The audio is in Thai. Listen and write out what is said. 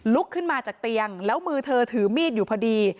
ขึ้นมาจากเตียงแล้วมือเธอถือมีดอยู่พอดี